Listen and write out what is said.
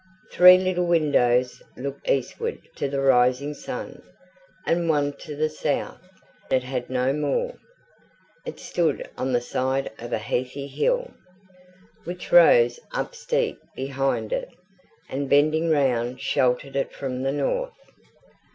Three little windows looked eastward to the rising sun, and one to the south: it had no more. It stood on the side of a heathy hill, which rose up steep behind it, and bending round sheltered it from the north.